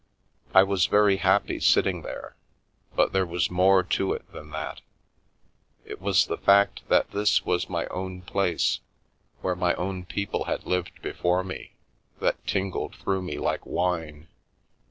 I was very happy sitting there, but there was more to it than that. It was the fact that this was my own place, where my own people had lived before me, that tingled through me like wine.